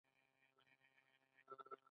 تاسو اوس څه احساس لرئ؟